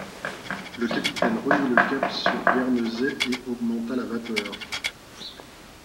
Le capitaine remit le cap sur Guernesey et augmenta la vapeur.